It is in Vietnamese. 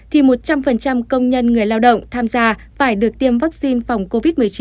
thì một trăm linh công nhân người lao động tham gia phải được tiêm vaccine phòng covid một mươi chín